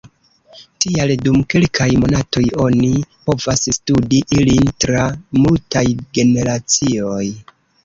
Tial dum kelkaj monatoj oni povas studi ilin tra multaj generacioj.